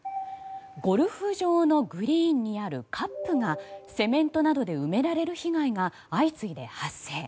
ゴルフ場のグリーンにあるカップがセメントなどで埋められる被害が相次いで発生。